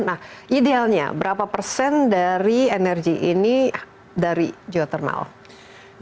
nah idealnya berapa persen dari energi ini dari geothermal